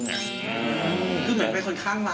คือเหมือนเป็นคนข้างเรา